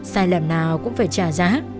sai lầm nào cũng phải trả giá